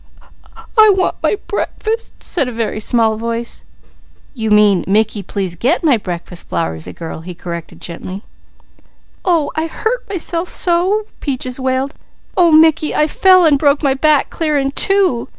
"I want my breakfast," said a very small voice. "You mean, 'Mickey, please get my breakfast,' Flowersy girl," he corrected gently. "Oh I hurt myself so!" Peaches wailed. "Oh Mickey, I fell an' broke my back clear in two.